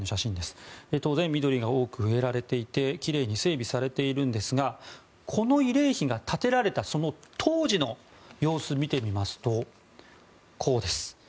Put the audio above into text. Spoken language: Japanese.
当然、緑が多く植えられていてきれいに整備されていますがこの慰霊碑が建てられた当時の様子を見てみるとこうです。